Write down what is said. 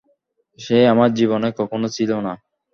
সে আমার জীবনে কখনো ছিলোই না।